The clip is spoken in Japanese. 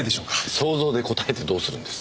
想像で答えてどうするんです。